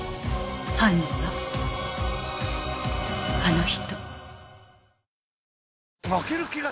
犯人はあの人。